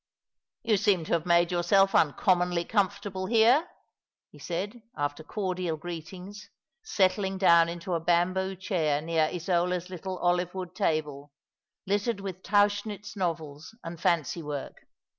" You seem to have made yourself uncommonly comfort able here," he said, after cordial greetings, settling down into a bamboo chair near Isola's little olive wood table, littered with Tauchnitz novels and fancy work.